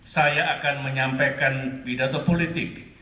saya akan menyampaikan pidato politik